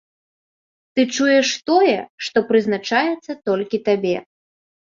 Ты чуеш тое, што прызначаецца толькі табе.